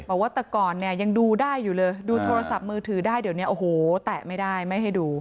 บอกว่าแต่ก่อนเนี่ยยังดูได้อยู่เลยดูโทรศัพท์มือถือได้เดี๋ยวนี้โอ้โหแตะไม่ได้ไม่ให้ดู